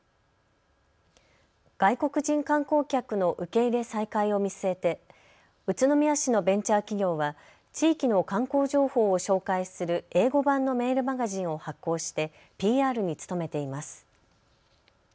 外国人観光客の受け入れ再開を見据えて宇都宮市のベンチャー企業は地域の観光情報を紹介する英語版のメールマガジンを発行してＰＲに努めています。